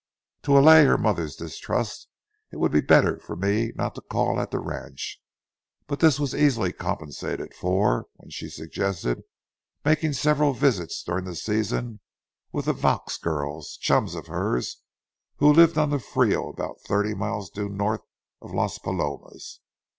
To allay her mother's distrust, it would be better for me not to call at the ranch. But this was easily compensated for when she suggested making several visits during the season with the Vaux girls, chums of hers, who lived on the Frio about thirty miles due north of Las Palomas.